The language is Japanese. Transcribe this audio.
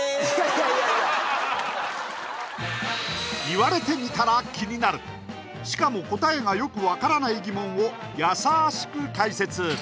言われてみたら気になるしかも答えがよく分からない疑問をやさしく解説